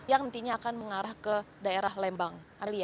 yang nantinya akan mengarah ke daerah lembang